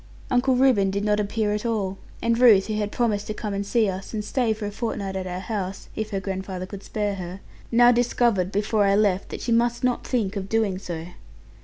Uncle Reuben did not appear at all; and Ruth, who had promised to come and see us, and stay for a fortnight at our house (if her grandfather could spare her), now discovered, before I left, that she must not think of doing so.